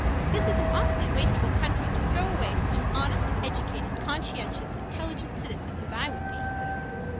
This is an awfully wasteful country to throw away such an honest, educated, conscientious, intelligent citizen as I would be.